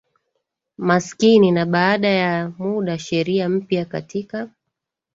maskini na baada ya muda sheria mpya katika